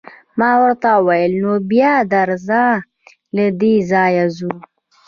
ما ورته وویل: نو بیا درځه، له دې ځایه ځو.